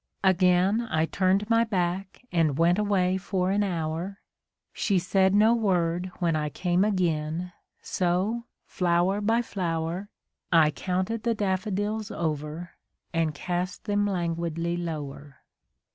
.. Again I turned my back and went away for an hour ; She said no word when I came again, so, flower by flower, I counted the daffodils over, and cast them languidly lower A DAY WITH WILLIAM MORRIS.